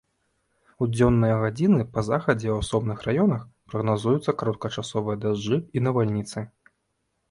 У дзённыя гадзіны па захадзе ў асобных раёнах прагназуюцца кароткачасовыя дажджы і навальніцы.